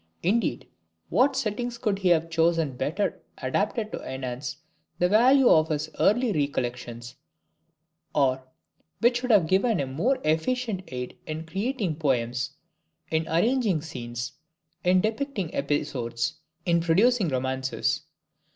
Indeed what settings could he have chosen better adapted to enhance the value of his early recollections, or which would have given him more efficient aid in creating poems, in arranging scenes, in depicting episodes, in producing romances?